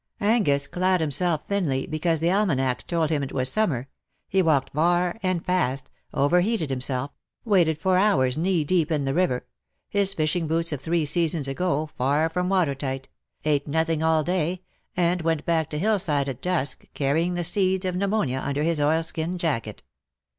Angus clad himself thinly, because the almanack told him it was summer — he walked far and fast — overheated himself — waded for hours knee deep in the river — his fishing boots of three seasons ago far from watertight — ate nothing all day — and went back to Hillside at dusk, carrying the eeeds of pneumonia under his oilskin jacket.